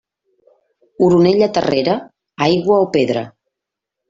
Oronella terrera, aigua o pedra.